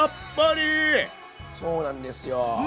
そうなんですよ。